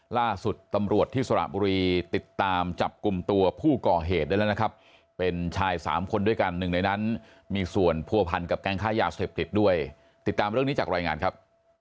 ล่าสุดตำรวจที่สระบุรีติดตามจับกลุ่มตัวผู้ก่อเหตุได้แล้วนะครับเป็นชายสามคนด้วยกันหนึ่งในนั้นมีส่วนผัวพันกับแก๊งค้ายาเสพติดด้วยติดตามเรื่องนี้จากรายงานครับ